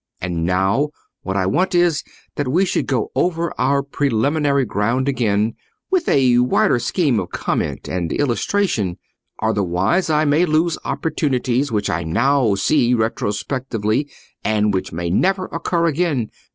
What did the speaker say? And now, what I want is, that we should go over our preliminary ground again, with a wider scheme of comment and illustration: otherwise I may lose opportunities which I now see retrospectively, and which may never occur again.